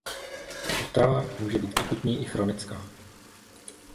Otrava může být akutní i chronická.